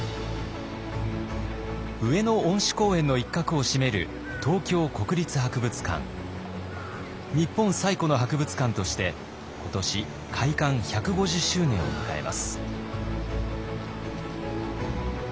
上野恩賜公園の一角を占める日本最古の博物館として今年開館１５０周年を迎えます。